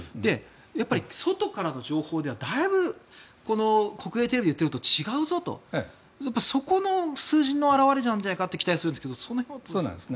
やっぱり外からの情報ではだいぶ国営テレビで言っていることと違うぞとそこの数字の表れなんじゃないかと期待するんですがその辺はどうですか。